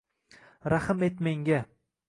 — Rahm et menga